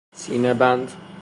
سینه بند